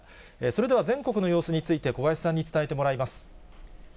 それでは、全国の様子について、小林さんに伝えてもらいます。